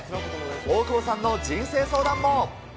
大久保さんの人生相談も。